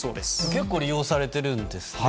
結構、利用されているんですね。